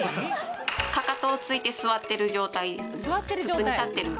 かかとをついて座ってる？